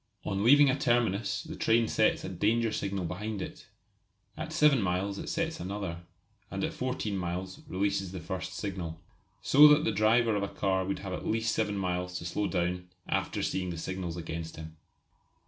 On leaving a terminus the train sets a danger signal behind it; at 7 miles it sets another, and at 14 miles releases the first signal. So that the driver of a car would have at least 7 miles to slow down in after seeing the signals against him.